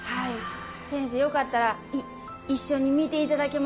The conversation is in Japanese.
先生よかったら一緒に見ていただけません。